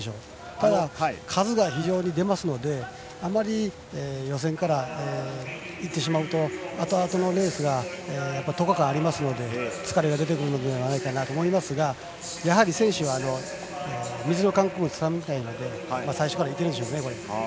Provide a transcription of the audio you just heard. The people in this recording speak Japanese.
ただ、数が非常に出ますのであまり予選からいってしまうとあとあとのレースが１０日間あるので疲れが出てくるのではないかと思いますが、やはり選手は水の感覚をつかみたいので最初からいくんでしょうね。